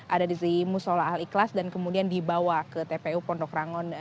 ada di musola al ikhlas dan kemudian dibawa ke tpu pondok rangon